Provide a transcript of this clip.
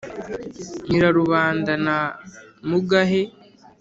nyirarubanda na mugahe.